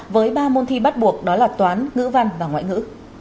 với ba môn thi bắt buộc đó là toán ngữ văn và ngoại ngữ